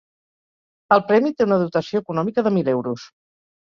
El premi té una dotació econòmica de mil euros.